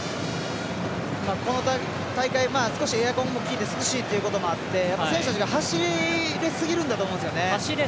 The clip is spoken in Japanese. この大会少しエアコンもきいて涼しいということもあって選手たちが走れすぎるんだと思うんですよね。